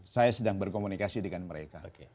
saya sedang berkomunikasi dengan mereka